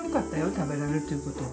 食べられるっていうことを。